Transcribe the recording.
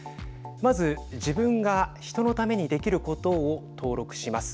まず、自分が人のためにできることを登録します。